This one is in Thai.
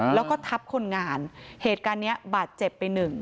แล้วก็ทับคนงานเหตุการณ์เนี่ยบาดเจ็บไป๑